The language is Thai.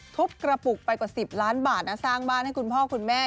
ทุบกระปุกไปกว่า๑๐ล้านบาทนะสร้างบ้านให้คุณพ่อคุณแม่